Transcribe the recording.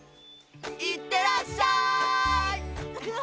いってらっしゃい！